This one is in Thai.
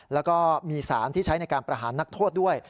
แล้วก็มีสารที่ใช้ในการประหารนักโทษด้วย